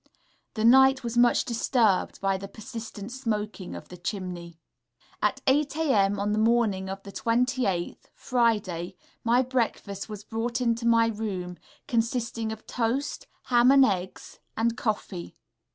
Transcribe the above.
[The night was much disturbed by the persistent smoking of the chimney.]... At 8 0 a.m. on the morning of the 28th, Friday, my breakfast was brought into my room, consisting of toast, ham and eggs, and coffee....